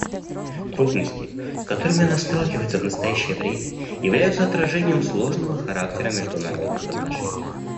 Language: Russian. Трудности, с которыми она сталкивается в настоящее время, являются отражением сложного характера международных отношений.